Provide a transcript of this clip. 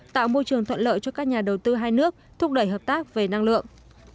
tạo môi trường thuận lợi cho các nhà đầu tư hai nước thúc đẩy hợp tác về năng lượng